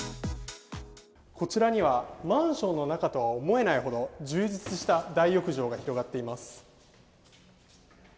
こちらにはマンションの中とは思えないほど充実した大浴場が広がっています。